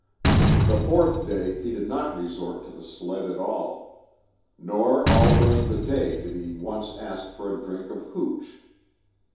The fourth day he did not resort to the sled at all. Nor all during the day did he once ask for a drink of hooch.